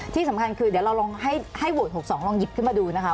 ที่สำคัญคือเดี๋ยวเราลองให้โหวต๖๒ลองหยิบขึ้นมาดูนะคะ